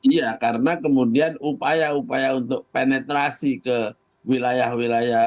iya karena kemudian upaya upaya untuk penetrasi ke wilayah wilayah